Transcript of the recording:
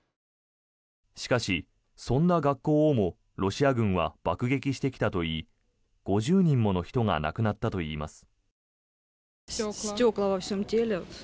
しかし、そんな学校をもロシア軍は爆撃してきたといい５０人もの人が亡くなったといいます。